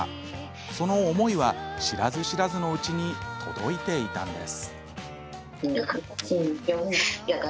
その思いは知らず知らずのうちに届いていたんです。